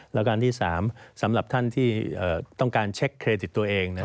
แล้วก็อันที่๓สำหรับท่านที่ต้องการเช็คเครดิตตัวเอง